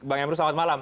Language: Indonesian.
bang emru selamat malam